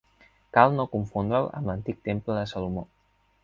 Cal no confondre'l amb l'antic Temple de Salomó.